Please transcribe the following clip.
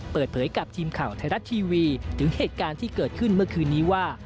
เปิดเผยกับทีมข่าวไทยรัฐทีวีถึงเหตุการณ์ที่เกิดขึ้นเมื่อคืนนี้ว่า